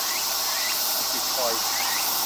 ขุดบิตคอยน์